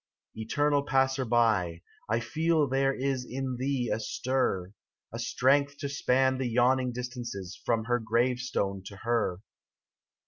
Eternal Passer by, I feel there is In thee a stir, A strength to span the yawning distances From her grave stone to her.